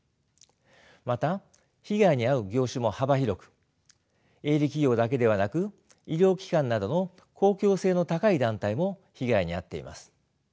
また被害に遭う業種も幅広く営利企業だけではなく医療機関などの公共性の高い団体も被害に遭っています。